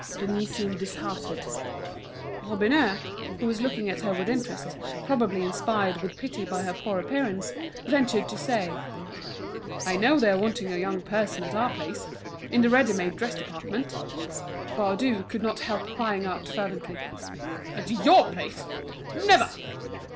Denise seemed disheartened. Robineau, who was looking at her with interest, probably inspired with pity by her poor appearance, ventured to say: "I know they're wanting a young person at our place, in the ready made dress department." Baudu could not help crying out fervently: "At your place? Never!"